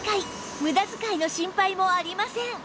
無駄遣いの心配もありません